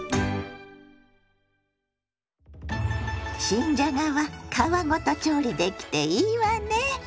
新じゃがは皮ごと調理できていいわね。